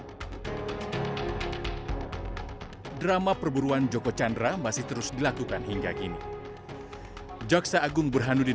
hai drama perburuan joko chandra masih terus dilakukan hingga kini joksa agung burhanuddin